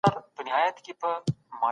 جبري ځان وژنه د بې قدرتۍ پايله ده.